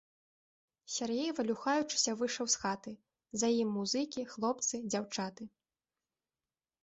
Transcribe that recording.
Сяргей, валюхаючыся, выйшаў з хаты, за ім музыкі, хлопцы, дзяўчаты.